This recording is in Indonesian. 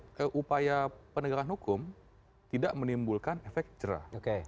sebenarnya upaya penegakan hukum tidak menimbulkan efek jerah